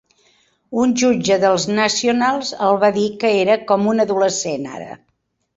Un jutge dels Nationals el va dir que era "com un adolescent ara".